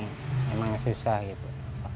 lutfi menemani anak anak lutfi dan ayah ayah